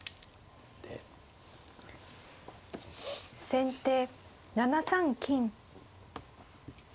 先手７三金。